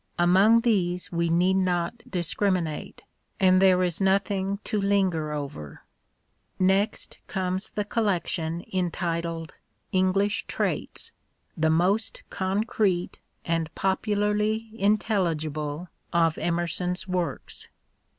Among these we need not discriminate, and there is nothing to linger over. Next comes the collection entitled " English Traits," the most concrete and popularly intelli gible of Emerson's works.